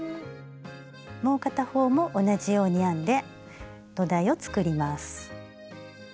もう片方も同じように編んで土台を作ります。